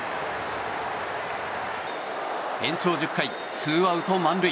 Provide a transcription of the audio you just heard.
延長１０回ツーアウト満塁。